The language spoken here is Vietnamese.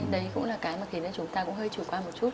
đấy cũng là cái mà khiến chúng ta cũng hơi trù qua một chút